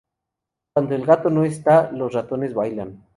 Cuando el gato no está, los ratones bailan